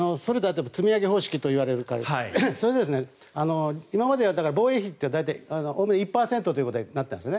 積み上げ方式といわれるからそれで今までは防衛費って大体１％ということになっていたんです。